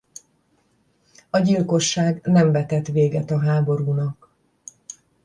A gyilkosság nem vetett véget a háborúnak.